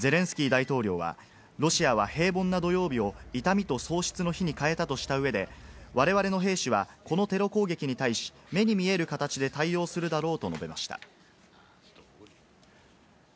ゼレンスキー大統領は、ロシアは平凡な土曜日を痛みと喪失の日に変えたとした上で、我々の兵士はこのテロ攻撃に対し、目に見える形で対応するだろうと述べました。